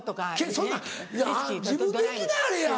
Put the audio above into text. そんなん自分で行きなはれや。